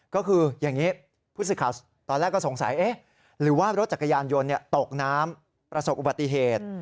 ก็คืออย่างนี้ผู้สื่อข่าวตอนแรกก็สงสัยเอ๊ะหรือว่ารถจักรยานยนต์ตกน้ำประสบอุบัติเหตุ